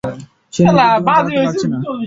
সে নিজের জীবন চালাতে পারছে না!